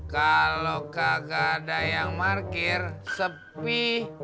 kalau kagak ada yang parkir sepi